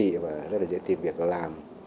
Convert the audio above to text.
rất là giá trị và rất là dễ tìm việc làm